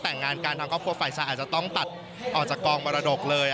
แต่งงานกันทางครอบครัวฝ่ายชายอาจจะต้องตัดออกจากกองมรดกเลย